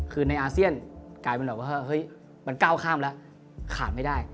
คือในอาเซียนกลายเป็นแบบว่าเฮ้ยมันก้าวข้ามแล้วขาดไม่ได้